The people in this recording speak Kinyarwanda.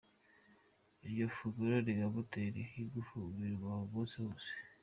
Iryo funguro ni nka moteri iha ingufu umubiri wawe umunsi wose.